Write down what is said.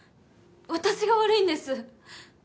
私が悪いんです